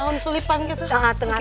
tahun selipan gitu